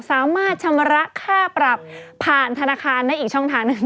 สามารถชำระค่าปรับผ่านธนาคารได้อีกช่องทางหนึ่ง